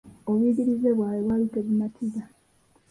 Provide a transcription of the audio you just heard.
Obuyigirize bwabwe bwaali tebumatiza.